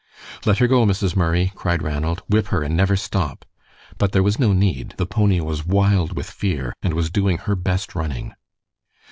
"Let her go, Mrs. Murray," cried Ranald. "Whip her and never stop." But there was no need; the pony was wild with fear, and was doing her best running.